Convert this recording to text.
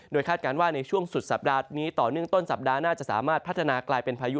คาดการณ์ว่าในช่วงสุดสัปดาห์นี้ต่อเนื่องต้นสัปดาห์หน้าจะสามารถพัฒนากลายเป็นพายุ